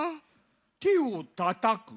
てをたたく？